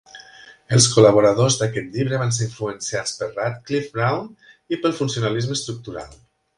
Els col·laboradors d'aquest llibre van ser influenciats per Radcliffe-Brown i pel funcionalisme estructural.